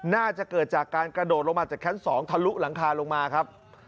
น่าจะเกิดจากการกระโดดลงมาจากชั้น๒ทะลุหลังคาลงมาครับ